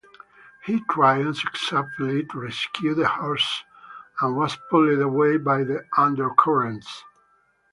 He tried unsuccessfully to rescue the horse and was pulled away by the undercurrents.